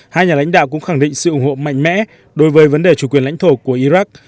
hai nhà lãnh đạo cũng khẳng định sự ủng hộ mạnh mẽ đối với vấn đề chủ quyền lãnh thổ của iraq